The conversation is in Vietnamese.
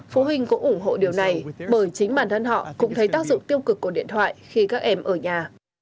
phụ huynh cũng ủng hộ điều này bởi chính bản thân họ cũng thấy tác dụng tiêu cực của điện thoại khi các em ở nhà